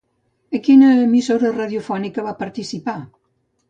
A quina emissora radiofònica va participar?